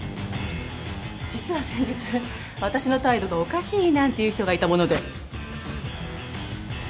実は先日私の態度がおかしいなんて言う人がいたもので。